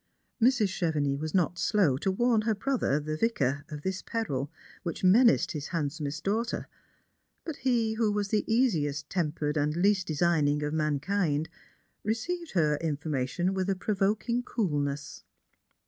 Mrs. Chevenix was not slow to wtu n her brother, the Vicar, of this peril which menaced his handsomest daughter; but he ■who was the easiest tempered and least designing of mankind, received her information with a provoking coolness.